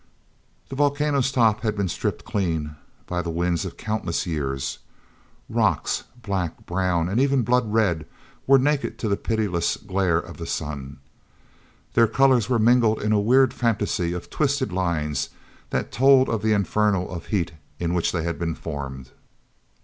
The volcano's top had been stripped clean by the winds of countless years. Rocks, black, brown, even blood red, were naked to the pitiless glare of the sun. Their colors were mingled in a weird fantasy of twisted lines that told of the inferno of heat in which they had been formed.